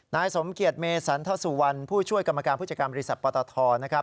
นายสมเกียจเมสันทสุวรรณผู้ช่วยกรรมการผู้จัดการบริษัทปตทนะครับ